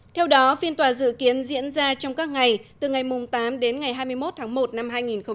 theo đó phiên tòa dự kiến diễn ra trong các ngày từ ngày tám đến ngày hai mươi một tháng một năm hai nghìn hai mươi